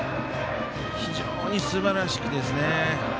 非常にすばらしいですね。